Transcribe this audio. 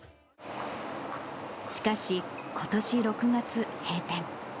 しかし、ことし６月、閉店。